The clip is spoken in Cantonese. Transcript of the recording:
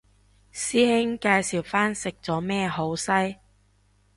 師兄介紹返食咗咩好西